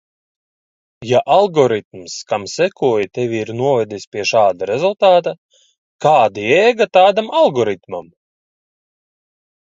Ja algoritms, kam sekoji, tevi ir novedis pie šāda rezultāta, kāda jēga tādam algoritmam?